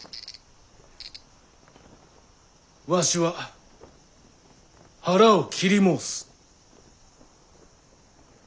わしは腹を切り申す。